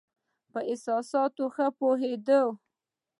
په احساساتو ښه پوهېدی.